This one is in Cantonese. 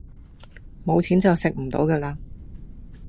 冇錢就食唔到架喇